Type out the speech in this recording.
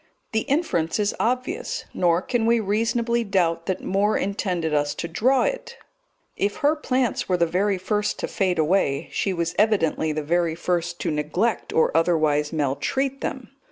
The inference is obvious, nor can we reasonably doubt that Moore intended us to draw it; if her plants were the very first to fade away, she was evidently the very first to neglect or otherwise maltreat them.